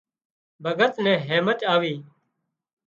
ڀڳت نين هيمچ آوي